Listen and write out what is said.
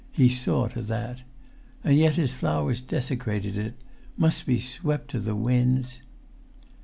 He saw to that. And yet his flowers desecrated it; must be swept to the winds